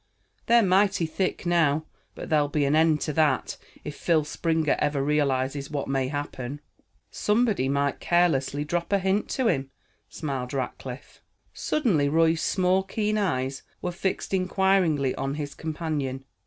"They're mighty thick now, but there'll be an end to that if Phil Springer ever realizes what may happen." "Somebody might carelessly drop a hint to him," smiled Rackliff. Suddenly Roy's small, keen eyes were fixed inquiringly on his companion.